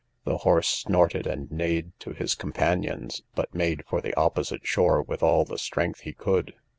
The horse snorted and neighed to his companions, but made for the opposite shore with all the strength he could.